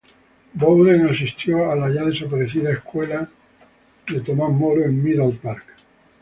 Bowden asistió a la ya desaparecida Escuela de Santo Tomás Moro en Midland Park.